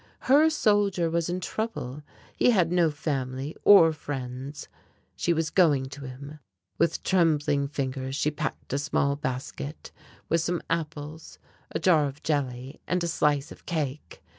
Her soldier was in trouble, he had no family or friends. She was going to him. With trembling fingers she packed a small basket with some apples, a jar of jelly and a slice of cake.